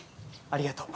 ありがとう。